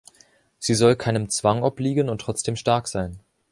Sie soll keinem Zwang obliegen, und trotzdem stark sein.